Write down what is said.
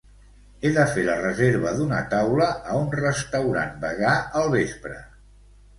He de fer la reserva d'una taula a un restaurant vegà al vespre.